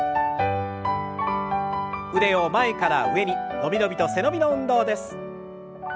腕を前から上に伸び伸びと背伸びの運動です。